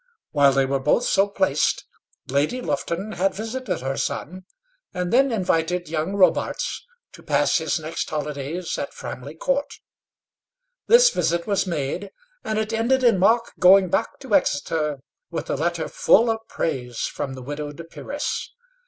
While they were both so placed, Lady Lufton had visited her son, and then invited young Robarts to pass his next holidays at Framley Court. This visit was made; and it ended in Mark going back to Exeter with a letter full of praise from the widowed peeress.